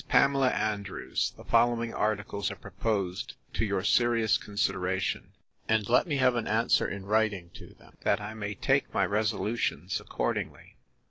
PAMELA ANDREWS. 'The following ARTICLES are proposed to your serious consideration; and let me have an answer, in writing, to them, that I may take my resolutions accordingly.